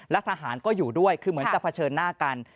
และทหารก็อยู่ด้วยคือเหมือนจะเผชิญหน้ากัน